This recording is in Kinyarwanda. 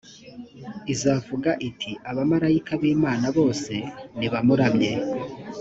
izavuga iti abamarayika b imana bose nibamuramye